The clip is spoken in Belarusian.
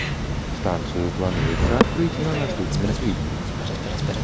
Станцыю плануецца адкрыць на наступным тыдні.